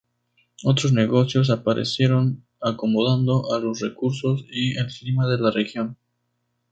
Otros negocios aparecieron, acomodando a los recursos y el clima de la región.